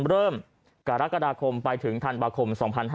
เริ่มกรกฎาคมไปถึงธันวาคม๒๕๕๙